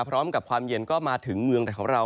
พร้อมกับความเย็นก็มาถึงเมืองไทยของเรา